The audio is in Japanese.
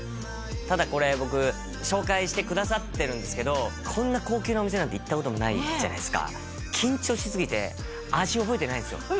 ただこれ僕紹介してくださってるんですけどこんな高級なお店なんて行ったこともないじゃないですか緊張しすぎて味覚えてないんですよ